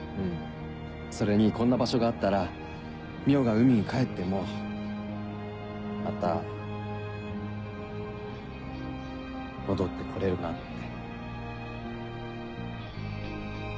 それにこんな場所があったら海音が海に帰ってもまた戻って来れるなって。